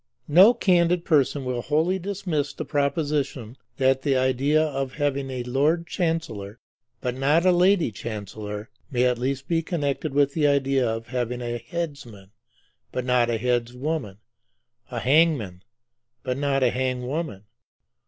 No candid person will wholly dismiss the proposition that the idea of having a Lord Chancellor but not a Lady Chancellor may at least be connected with the idea of having a headsman but not a headswoman, a hangman but not a hangwoman.